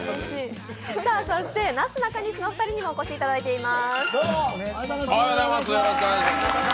なすなかにしのお二人にもお越しいただいております。